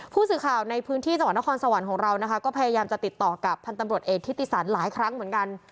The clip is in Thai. ผู้สื่อข่าวในพื้นที่จังหวัดนครสวรรค์ของเรานะคะก็พยายามจะติดต่อกับพันธ์ตำรวจเอกทิติสันหลายครั้งเหมือนกัน